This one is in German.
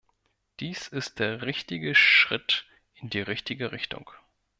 Dies ist der richtige Schritt in die richtige Richtung.